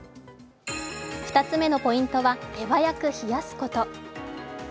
２つ目のポイントは、手早く冷やすこと。